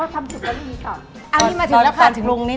เขาทำสุดก็ดีกว่า